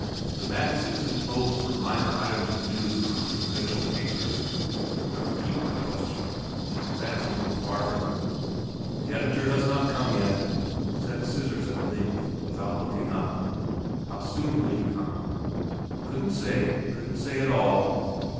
The man sits and probes for minor items of news amongst the provincial papers. I repeat my question, and advance a little farther. "The editor has not come yet!" said "Scissors" at length, without looking up. How soon would he come? "Couldn't say couldn't say at all!"